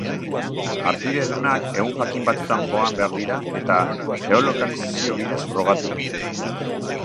Harpidedunak egun jakin batzuetan joan behar dira eta geolokalizazio bidez frogatu.